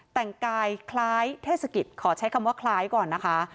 แต่งกายคล้ายเทศกิจขอใช้คำว่าคล้ายก่อนนะคะ